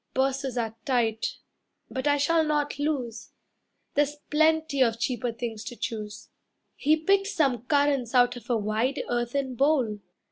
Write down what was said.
"Purses are tight, but I shall not lose. There's plenty of cheaper things to choose." He picked some currants out of a wide Earthen bowl.